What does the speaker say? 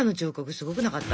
すごくなかった？